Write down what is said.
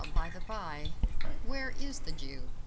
by the bye! where is the Jew?"